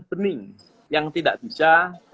bening yang tidak bisa